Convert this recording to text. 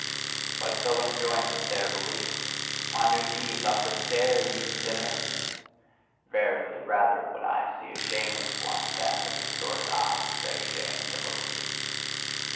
But so enjoineth their belief: "On your knees, up the stair, ye sinners!" Verily, rather would I see a shameless one than the distorted eyes of their shame and devotion!